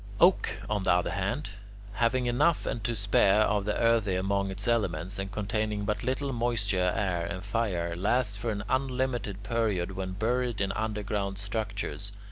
Oak, on the other hand, having enough and to spare of the earthy among its elements, and containing but little moisture, air, and fire, lasts for an unlimited period when buried in underground structures.